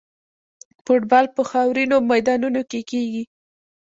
فوټبال په خاورینو میدانونو کې کیږي.